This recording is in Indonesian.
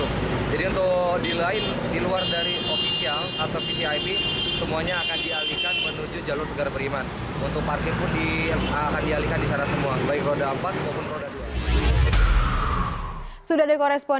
pengalian akan dimulai pada pukul dua belas